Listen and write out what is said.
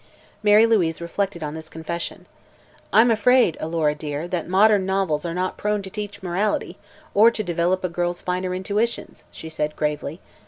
Mary Louise reflected on this confession. "I'm afraid, Alora dear, that modern novels are not prone to teach morality, or to develop a girl's finer intuitions," she said gravely.